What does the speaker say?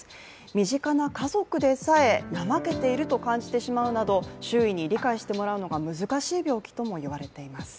身近な家族でさえ怠けていると感じてしまうなど周囲に理解してもらうのが難しい病気ともいわれています。